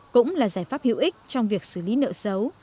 cũng là giải pháp hữu ích trong việc xử lý nợ xấu